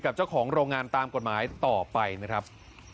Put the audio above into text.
กับเจ้าของโรงงานตามกฎหมายต่อไปนะครับ